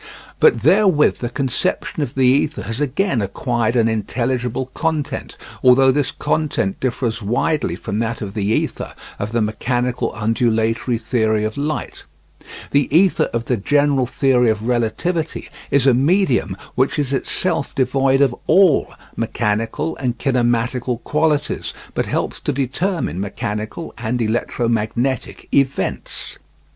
But therewith the conception of the ether has again acquired an intelligible content, although this content differs widely from that of the ether of the mechanical undulatory theory of light. The ether of the general theory of relativity is a medium which is itself devoid of all mechanical and kinematical qualities, but helps to determine mechanical (and electromagnetic) events.